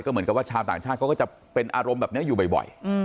ก็เหมือนกับว่าชายชาวต่างชาติเขาก็จะเป็นอารมณ์อยู่บ่อย